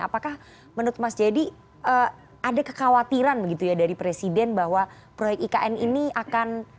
apakah menurut mas jayadi ada kekhawatiran begitu ya dari presiden bahwa proyek ikn ini akan